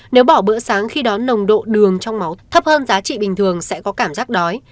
nếu bỏ bữa sáng khi đó nồng độ đường trong máu thấp hơn giá trị bình thường sẽ có cảm giác đói